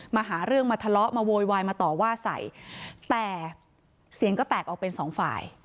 มาหาเรื่องมาทะเลาะมาโวยวายมาต่อว่าใส่แต่เสียงก็แตกออกเป็นสองฝ่าย